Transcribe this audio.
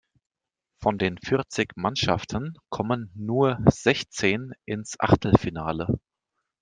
Von den vierzig Mannschaften kommen nur sechzehn ins Achtelfinale.